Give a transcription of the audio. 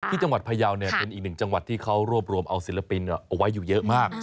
ที่จังหวัดพยาวเป็นอีกหนึ่งจังหวัดที่เขารวบรวมเอาศิลปินเอาไว้อยู่เยอะมาก